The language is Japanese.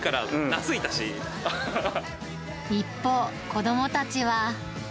一方、子どもたちは。